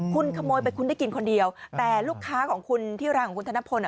คุณขโมยไปคุณได้กินคนเดียวแต่ลูกค้าของคุณที่ร้านของคุณธนพล